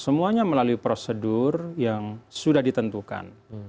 semuanya melalui prosedur yang sudah ditentukan